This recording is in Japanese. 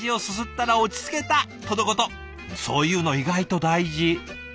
そういうの意外と大事。